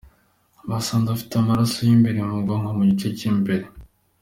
Basanze afite amaraso imbere mu bwonko ku gice cy’imbere.